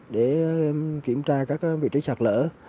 để kiểm tra các vị trí xạc lỡ